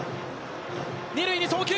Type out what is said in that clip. ２塁に送球。